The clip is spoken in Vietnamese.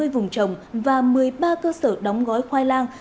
ba mươi vùng trồng và một mươi ba cơ sở đóng gói khoai lang